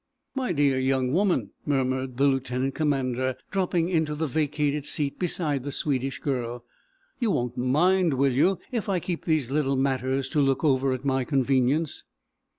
"My dear young woman," murmured the lieutenant commander, dropping into the vacated seat beside the Swedish girl, "you won't mind, will you, if I keep these little matters to look over at my convenience!"